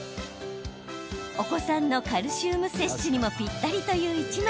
お子さんのカルシウム摂取にもぴったりという１枚。